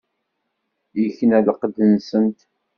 Ikna lqedd-nsent.